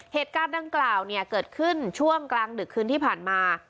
เหตุการณ์ดังกล่าวเนี่ยเกิดขึ้นช่วงกลางดึกคืนที่ผ่านมา